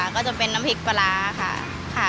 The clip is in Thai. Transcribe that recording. ก็จะเป็นน้ำพริกปลาร้าค่ะ